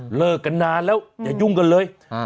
เลิกกันนานแล้วอย่ายุ่งกันเลย